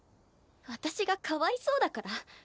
私がかわいそうだから？